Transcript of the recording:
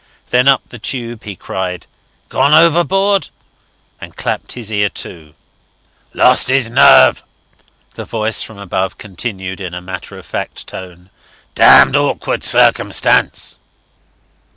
Then up the tube he cried, "Gone overboard?" and clapped his ear to. "Lost his nerve," the voice from above continued in a matter of fact tone. "Damned awkward circumstance."